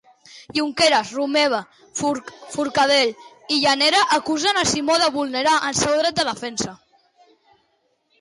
Junqueras, Romeva, Forcadell i Llarena acusen Simó de vulnerar el seu dret de defensa.